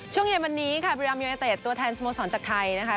ช่วงเย็นวันนี้ค่ะบริรามยูเนเต็ดตัวแทนสโมสรจากไทยนะคะ